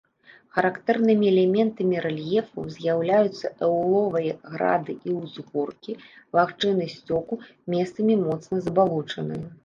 Характэрнымі элементамі рэльефу з'яўляюцца эолавыя грады і ўзгоркі, лагчыны сцёку, месцамі моцна забалочаныя.